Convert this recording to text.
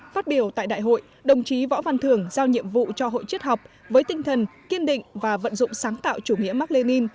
phát biểu tại đại hội đồng chí võ văn thường giao nhiệm vụ cho hội chết học với tinh thần kiên định và vận dụng sáng tạo chủ nghĩa mark lenin